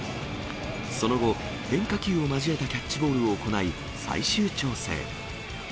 その後、変化球を交えたキャッチボールを行い、最終調整。